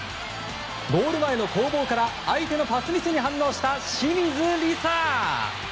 ゴール前の攻防から相手のパスミスに反応した清水梨紗。